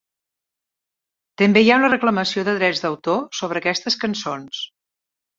També hi ha una reclamació de drets d'autor sobre aquestes cançons.